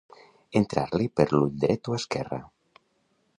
Entrar-li per l'ull dret o esquerre.